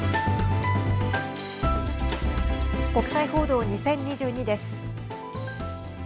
国際報道２０２２です。